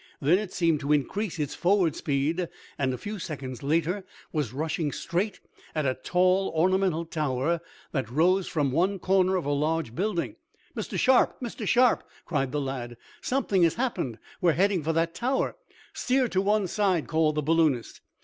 Then it seemed to increase its forward speed, and, a few seconds later, was rushing straight at a tall, ornamental tower that rose from one corner of a large building. "Mr. Sharp! Mr. Sharp!" cried the lad. "Something has happened! We're heading for that tower!" "Steer to one side!" called the balloonist.